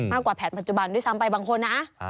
กว่าแผนปัจจุบันด้วยซ้ำไปบางคนนะ